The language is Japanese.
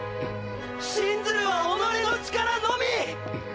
信ずるは己の力のみ！！